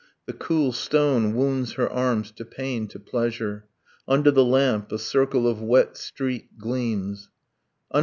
The cool stone wounds her arms to pain, to pleasure. Under the lamp a circle of wet street gleams. .